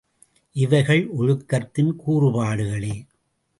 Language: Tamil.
இவைகள் ஒழுக்கத்தின் கூறுபாடுகளே.